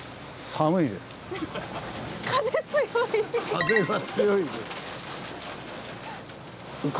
風が強いです。